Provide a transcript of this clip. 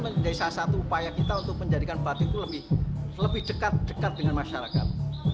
menjadi salah satu upaya kita untuk menjadikan batik itu lebih dekat dekat dengan masyarakat